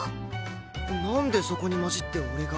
なんでそこに交じって俺が。